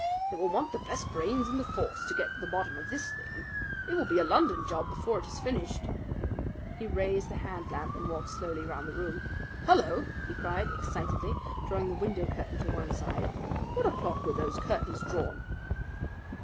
"It will want the best brains in the force to get to the bottom of this thing. It will be a London job before it is finished." He raised the hand lamp and walked slowly round the room. "Hullo!" he cried, excitedly, drawing the window curtain to one side. "What o'clock were those curtains drawn?"